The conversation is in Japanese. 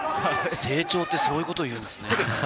成長ってそういうことを言うんですね。